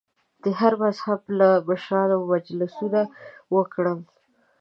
د هر مذهب له مشرانو مجلسونه وکړل.